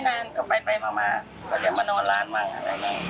นานก็ไปไปมากมากไปเดี๋ยวมานอนหลังว่านังแล้ว